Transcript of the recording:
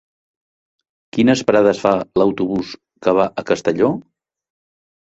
Quines parades fa l'autobús que va a Castelló?